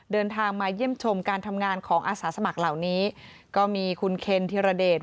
เดินทางมาเยี่ยมชมการทำงานของอาสาสมัครเหล่านี้ก็มีคุณเคนธิรเดช